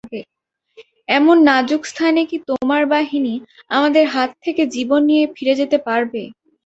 এমন নাজুক স্থানে কি তোমার বাহিনী আমাদের হাত থেকে জীবন নিয়ে ফিরে যেতে পারবে?